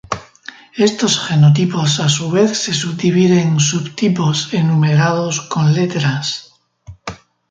Estos genotipos a su vez se subdividen en subtipos enumerados con letras.